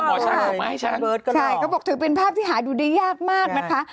หมอช้างมาให้เลือกบอกว่ามีภาพที่หาดูได้ยากมากนะคะ